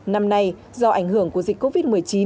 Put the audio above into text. năm nay do ảnh hưởng của dịch covid một mươi chín